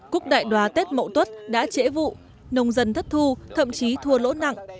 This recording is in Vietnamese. cúc đại đoàn tết mậu tuất đã trễ vụ nông dân thất thu thậm chí thua lỗ nặng